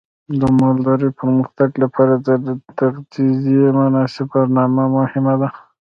د مالدارۍ د پرمختګ لپاره د تغذیې مناسب برنامه مهمه ده.